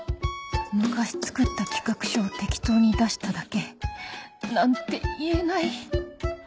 昔作った企画書を適当に出しただけなんて言えない